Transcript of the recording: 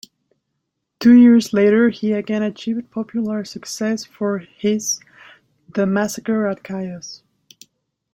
Two years later he again achieved popular success for his "The Massacre at Chios".